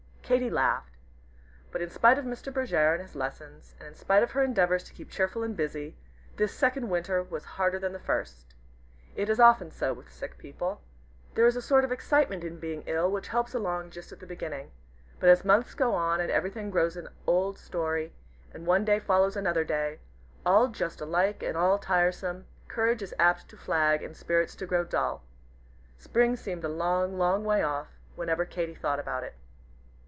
Katy laughed. But in spite of Mr. Bergèr and his lessons, and in spite of her endeavors to keep cheerful and busy, this second winter was harder than the first. It is often so with sick people. There is a sort of excitement in being ill which helps along just at the beginning. But as months go on, and everything grows an old story, and one day follows another day, all just alike and all tiresome, courage is apt to flag and spirits to grow dull. Spring seemed a long, long way off whenever Katy thought about it.